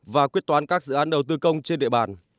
và quyết toán các dự án đầu tư công trên địa bàn